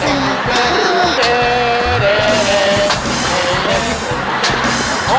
เต็กเต็กเต็ก